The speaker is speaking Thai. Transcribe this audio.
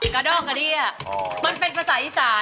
กระด้งกระเดี้ยมันเป็นภาษาอีสาน